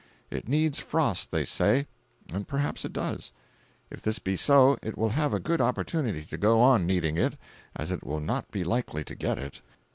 It needs frost, they say, and perhaps it does; if this be so, it will have a good opportunity to go on needing it, as it will not be likely to get it.